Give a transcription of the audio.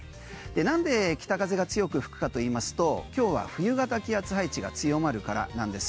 なんで北風が強く吹くかといいますと今日は冬型気圧配置が強まるからなんです。